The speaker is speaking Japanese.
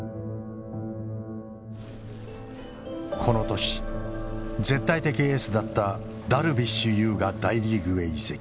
この年絶対的エースだったダルビッシュ有が大リーグへ移籍。